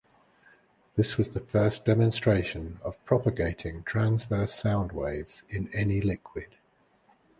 This was the first demonstration of propagating transverse sound waves in any liquid.